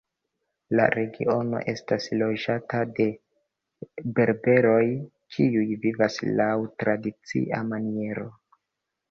La regiono estas loĝata de berberoj kiuj vivas laŭ tradicia maniero.